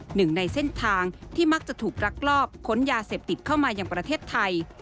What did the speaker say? หนึ่งในเส้นทางที่มักจะถูกรักรอบค้นยาเสพติดเข้ามายังประเทศไทย